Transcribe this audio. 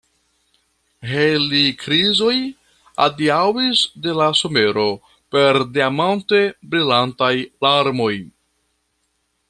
Helikrizoj adiaŭis de la somero per diamante brilantaj larmoj.